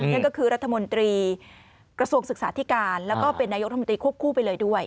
นั่นก็คือรัฐมนตรีกระทรวงศึกษาธิการแล้วก็เป็นนายกรัฐมนตรีควบคู่ไปเลยด้วย